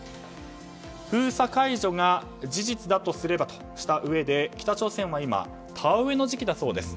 封鎖解除が事実だとすればとしたうえで北朝鮮は今田植えの時期だそうです。